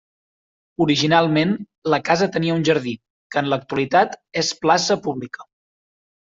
Originalment, la casa tenia un jardí, que en l'actualitat és plaça pública.